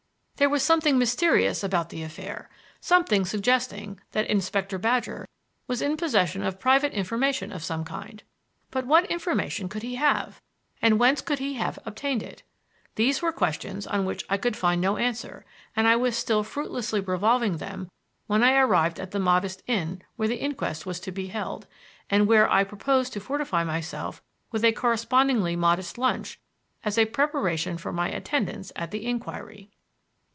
There was something mysterious about the affair, something suggesting that Inspector Badger was in possession of private information of some kind. But what information could he have? And whence could he have obtained it? These were questions to which I could find no answer, and I was still fruitlessly revolving them when I arrived at the modest inn where the inquest was to be held, and where I proposed to fortify myself with a correspondingly modest lunch as a preparation for my attendance at the inquiry.